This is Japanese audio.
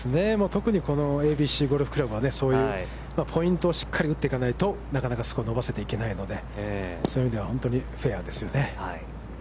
特にこのＡＢＣゴルフ倶楽部はそういうポイントをしっかり打っていかないとなかなかスコアを伸ばせていけないので、そういう意味では本当にフェアですよね。